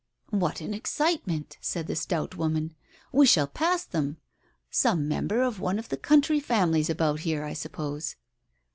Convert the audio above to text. "What an excitement !" said the stout woman. "We shall pass them. Some member of one of the country famflies abput here, I suppose."